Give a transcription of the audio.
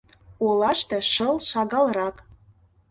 Олаште шыл шагалрак.